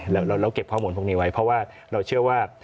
เราเก็บข้อมูลพวกนี้ไว้เพราะว่าเราเชื่อว่า